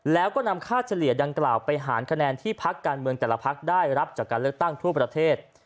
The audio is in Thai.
แล้วก็นำค่าเฉลี่ยดังกล่าวไปหารคะแนนที่พักการเมืองแต่ละพักได้รับจากการเลือกตั้งทั่วประเทศ